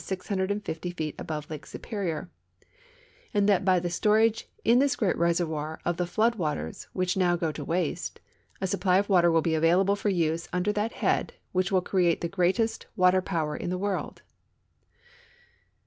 0 feet al>ove I^ike Sui)eiior, and that by the storage in this great reservoir of the flood waters, which now go to waste, a supply of water will be available for use under that head, which will create the greatest water power in tiie world."